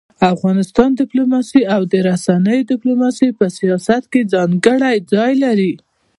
اقتصادي ډيپلوماسي او د رسنيو ډيپلوماسي په سیاست کي ځانګړی ځای لري.